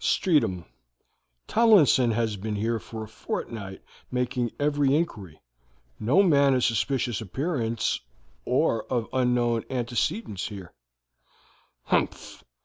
"Streatham. Tomlinson has been here a fortnight making every inquiry. 'No man of suspicious appearance or of unknown antecedents here.' "Humph!